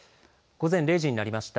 午前０時になりました。